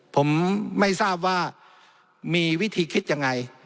ผมไม่ทราบว่ามีวิธีคิดยังไง